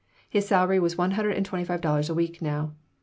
His salary was one hundred and twenty five dollars a week now.